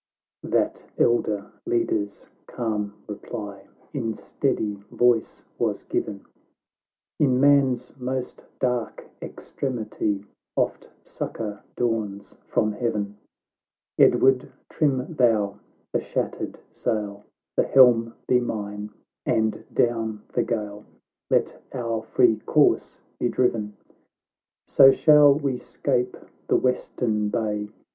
— That elder Leader's calm reply In steady voice was given, " In man's most dark extremity Oft succour dawns from Heaven. Edward, trim thou the shattered sail, The helm be mine, and down the gaie Let our free course be driven ; So shall we 'scape the western bay, <>GS THE LORD OF THE ISLES. [CANTO I.